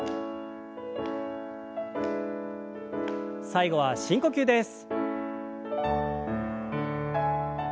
最後は深呼吸です。